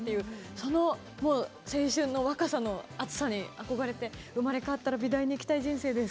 その青春の若さの熱さに憧れていて生まれ変わったら美大に行きたい人生です。